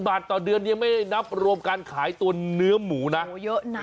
บาทต่อเดือนยังไม่ได้นับรวมการขายตัวเนื้อหมูนะโอ้เยอะนะ